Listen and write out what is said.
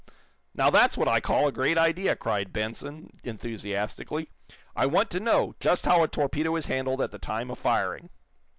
"Now, that's what I call a great idea," cried Benson, enthusiastically. "I want to know just how a torpedo is handled at the time of firing."